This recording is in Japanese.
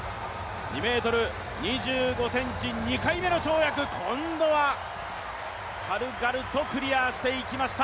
２ｍ２５ｃｍ、２回目の跳躍今度は軽々とクリアしていきました。